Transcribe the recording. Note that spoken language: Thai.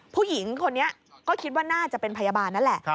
ผู้หญิงคนนี้ก็คิดว่าน่าจะเป็นพยาบาลนั่นแหละ